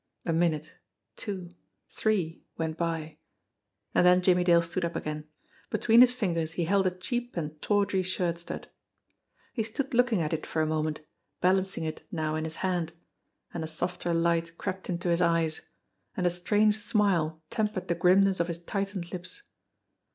A minute, two, three, went by and then Jimmie Dale stood up again. Between his fingers he held a cheap and tawdry shirt stud. He stood looking at it for a moment, balancing it now in his hand. And a softer light crept into his eyes, and a strange smile tempered the grimness of his tightened lips.